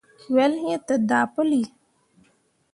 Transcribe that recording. Wel iŋ te daa puli.